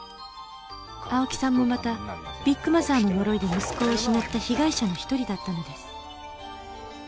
青木さんもまたビッグマザーの呪いで息子を失った被害者の一人だったのです